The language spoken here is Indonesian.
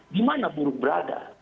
di mana buruh berada